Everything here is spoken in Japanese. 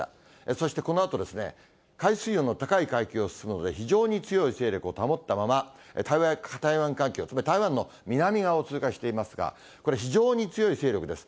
そしてこのあとですね、海水温の高い海域を進むので、非常に強い勢力を保ったまま、台湾海峡、つまり台湾の南側を通過していますが、これ非常に強い勢力です。